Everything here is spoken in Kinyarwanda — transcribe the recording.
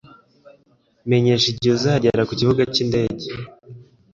Menyesha igihe uzagera kukibuga cyindege.